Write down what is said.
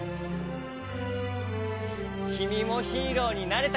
きみもヒーローになれたかな？